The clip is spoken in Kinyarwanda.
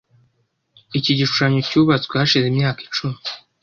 Iki gishushanyo cyubatswe hashize imyaka icumi .